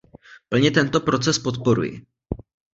Plně tento proces podporuji.